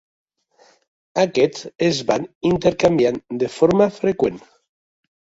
Aquests es van intercanviant de forma freqüent.